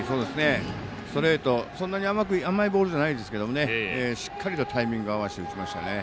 ストレート、そんなに甘いボールじゃないですけどしっかりとタイミング合わせて打ちましたね。